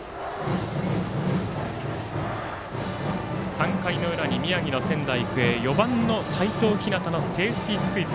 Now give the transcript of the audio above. ３回の裏に宮城の仙台育英４番の齋藤陽のセーフティースクイズ。